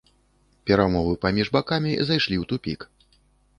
Перамовы паміж бакамі зайшлі ў тупік.